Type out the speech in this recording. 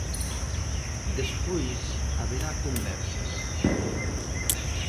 Despois haberá conversas.